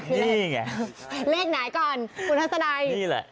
นี่ไงเลขไหนก่อนคุณทัศนัย